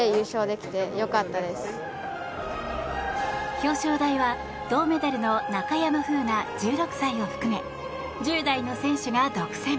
表彰台は銅メダルの中山楓奈、１６歳を含め１０代の選手が独占。